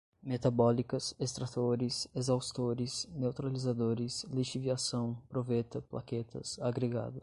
metabólicas, extratores, exaustores, neutralizadores, lixiviação, proveta, plaquetas, agregados